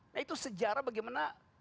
nah itu sejarah bagaimana